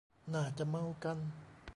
น่าจะเมากัน